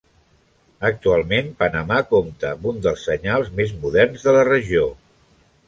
Actualment, Panamà compta amb un dels senyals més moderns de la regió.